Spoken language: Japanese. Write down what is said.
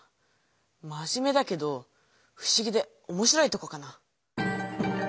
まじめだけどふしぎで面白いとこかな。